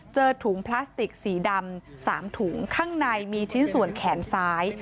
เจอถุงพลาสติกสีดำ๓ถุงข้างในมีชิ้นส่วนแขนซ้าย